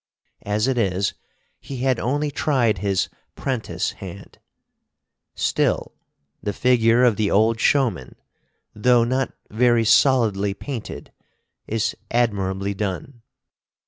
As it is, he had only tried his 'prentice hand. Still, the figure of the old showman, though not very solidly painted, is admirably done.